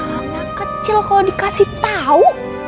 anak kecil kalo dikasih tau